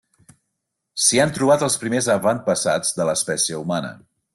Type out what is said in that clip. S'hi han trobat els primers avantpassats de l'espècie humana.